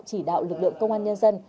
chỉ đạo lực lượng công an nhân dân